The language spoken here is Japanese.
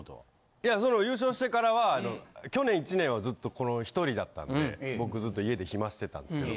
いやその優勝してからは去年１年はずっと１人だったんで僕ずっと家で暇してたんですけど。